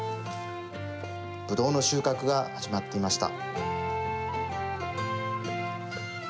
ぶどうの収穫が始まっていました。